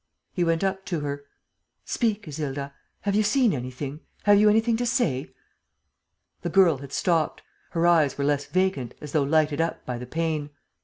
He went up to her: "Speak, Isilda. ... Have you seen anything? Have you anything to say?" The girl had stopped; her eyes were less vacant, as though lighted up by the pain.